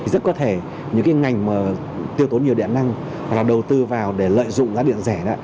rất có thể những cái ngành mà tiêu tốn nhiều điện năng đầu tư vào để lợi dụng giá điện rẻ đó